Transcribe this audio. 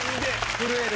震える。